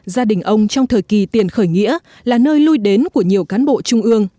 gia đình ông trong thời kỳ tiền khởi nghĩa là nơi lui đến của nhiều cán bộ trung ương